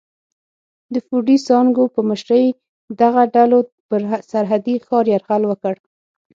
د فوډي سانکو په مشرۍ دغو ډلو پر سرحدي ښار یرغل وکړ.